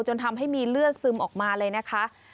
จนทำให้มีเลือดซึมออกมาเลยนะคะ